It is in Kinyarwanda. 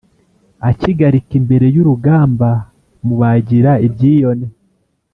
Akigarika imbere y'urugamba mubagira ibyiyone,